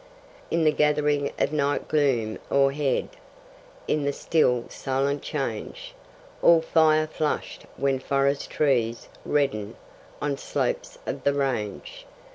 In the gathering of night gloom o'erhead, in The still silent change, All fire flushed when forest trees redden On slopes of the range.